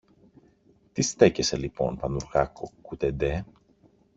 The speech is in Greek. Τι στέκεσαι λοιπόν, Πανουργάκο, κουτεντέ;